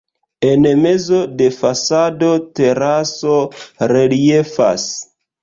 En mezo de fasado teraso reliefas.